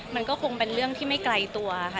มันก็คงเป็นเรื่องที่ไม่ไกลตัวค่ะ